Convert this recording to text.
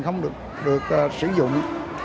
không được sử dụng